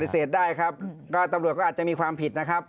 เสพได้ครับก็ตำรวจก็อาจจะมีความผิดนะครับ